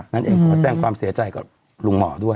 นั่นเองขอแสดงความเสียใจกับลุงหมอด้วย